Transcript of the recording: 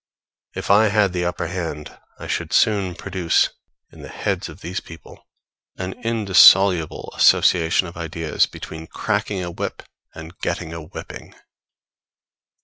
If I had the upper hand, I should soon produce in the heads of these people an indissoluble association of ideas between cracking a whip and getting a whipping.